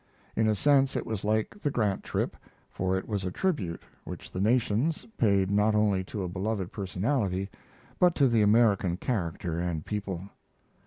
In a sense, it was like the Grant trip, for it was a tribute which the nations paid not only to a beloved personality, but to the American character and people.